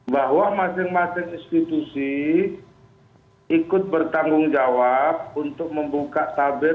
bahwa masing masing institusi ikut bertanggung jawab untuk membuka tabir